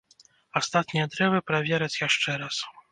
Астатнія дрэвы правераць яшчэ раз.